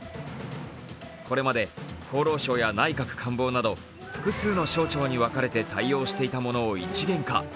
これまで厚労省や内閣官房など複数の省庁に分かれて対応していたものを一元化。